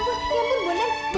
bundan apaan sih